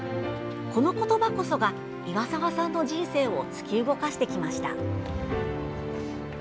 この言葉こそが岩沢さんの人生を突き動かしてきました。